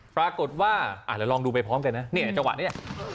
ปรากฏว่าเดี๋ยวลองดูไปพร้อมกันนะเนี่ยจังหวะนี้